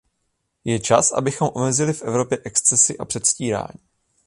Je čas, abychom omezili v Evropě excesy a předstírání.